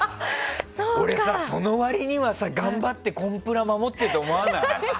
俺さ、その割には頑張ってコンプラ守ってると思わない？